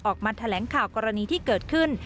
ออกมาแถลงข่าวกรณีที่เกิดขึ้น